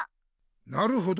なるほど。